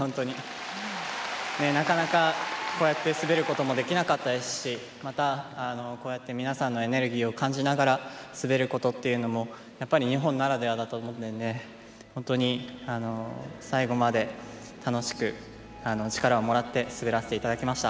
なかなかこうやって滑ることもできなかったですしまたこうやって皆さんのエネルギーを感じながら滑ることっていうのもやっぱり日本ならではだと思うので本当に最後まで楽しく力をもらって滑らせていただきました。